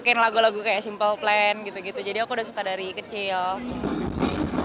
bikin lagu lagu kayak simple plan gitu gitu jadi aku udah suka dari kecil